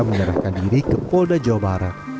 menyerahkan diri ke polda jawa barat